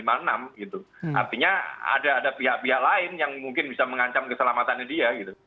artinya ada pihak pihak lain yang mungkin bisa mengancam keselamatannya dia